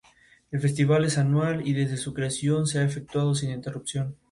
Alcuino de York escribió una biografía, basándose en alguna más antigua.